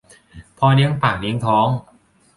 พอเลี้ยงปากเลี้ยงท้อง